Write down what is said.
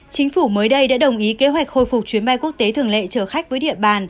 chính phủ mới đây đã đồng ý kế hoạch khôi phục chuyến bay quốc tế thường lệ chở khách với địa bàn